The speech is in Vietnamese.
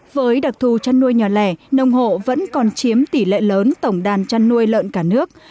với đặc thù chăn nuôi nhỏ lẻ nông hộ vẫn còn chiếm tỷ lệ lớn tổng đàn chăn nuôi lợn cả nước